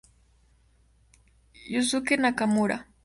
Yusuke Nakamura